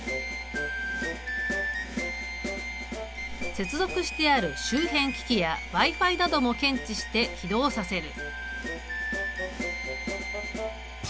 接続してある周辺機器やＷｉ−Ｆｉなども検知して起動させる。